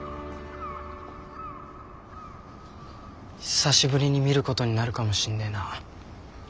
久しぶりに見ることになるかもしんねえな。